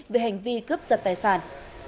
về hành vi cướp giật tài sản